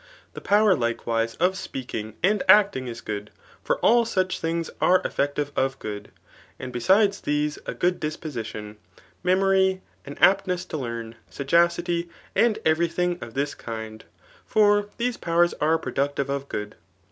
The po^er, likewise, of speaking and acting is good ; for all such things are effective of good $ and besides these, a good disposition, memory, an aptness to learn, sagacity, and every diing of this kind; for these powers are productive of good.